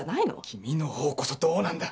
君のほうこそどうなんだ